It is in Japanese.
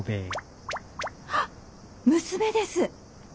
あっ娘です。